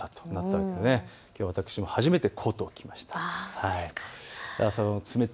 私はきょう初めてコートを着ました。